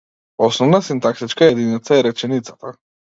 Основна синтаксичка единица е реченицата.